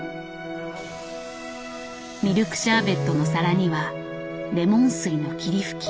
ミルクシャーベットの皿にはレモン水の霧吹き。